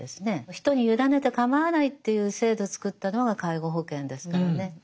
人に委ねて構わないっていう制度を作ったのが介護保険ですからね。